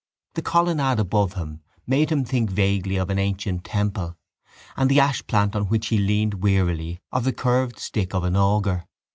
The colonnade above him made him think vaguely of an ancient temple and the ashplant on which he leaned wearily of the curved stick of an augur.